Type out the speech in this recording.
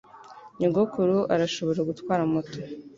Nyogokuru arashobora gutwara moto.